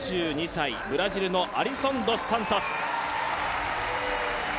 ２２歳、ブラジルのアリソン・ドス・サントス。